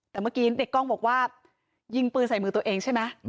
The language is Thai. แต่เมื่อกี้เด็กกล้องบอกว่ายิงปืนใส่มือตัวเองใช่ไหม